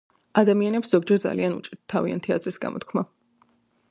ადამიანებს ზპგჯერ ძალიან უჭირთ თავიანთი აზრის გამოთქმა